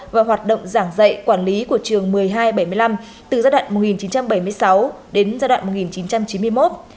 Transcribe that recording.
và hoạt động giảng dạy quản lý của trường một mươi hai bảy mươi năm từ giai đoạn một nghìn chín trăm bảy mươi sáu đến giai đoạn một nghìn chín trăm chín mươi một